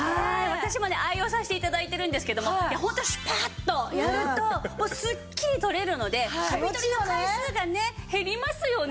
私もね愛用させて頂いてるんですけどもホントシュパッとやるとすっきり取れるのでカビ取りの回数が減りますよね。